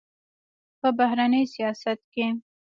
په بهرني سیاست کې